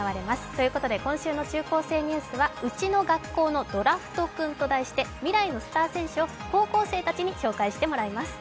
ということで、今週の中高生ニュースは「うちの学校のドラフトくん」と題して未来のスター選手を高校生たちに伝えてもらいます。